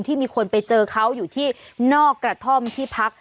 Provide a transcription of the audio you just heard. มีคนไปเจอเขาอยู่ที่นอกกระท่อมที่พัก